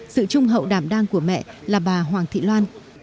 sự trung hậu đảm đang của mẹ là bà hoàng thị loan